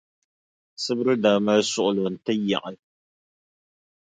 Sibiri daa mali suɣulo n-ti yaɣi.